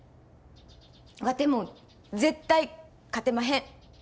ワテも絶対勝てまへん。